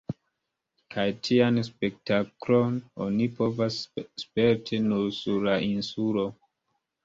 Kaj tian spektaklon oni povas sperti nur sur la insulo Komodo.